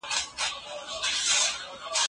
شيطان د گناه د موقع په وخت کې پلمې جوړوي.